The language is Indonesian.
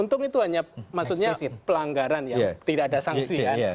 untung itu hanya pelanggaran ya tidak ada sangsi ya